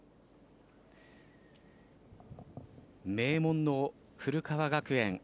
名門の古川学園。